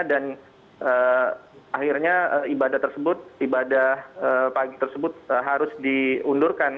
dan akhirnya ibadah tersebut ibadah pagi tersebut harus diundurkan